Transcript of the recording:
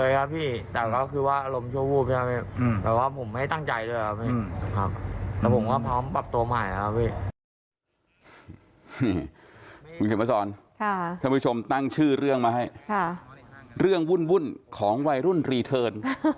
เคยครับพี่แต่ก็คือว่าอารมณ์ชั่วผู้แต่ว่าผมไม่ให้ตั้งใจด้วยครับพี่